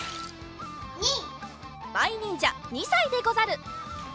まいにんじゃ２さいでござる。